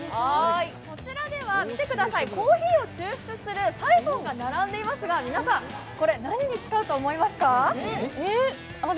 こちらでは、コーヒーを抽出するサイフォンが並んでいますが、皆さん、これ何に使うと思いますか？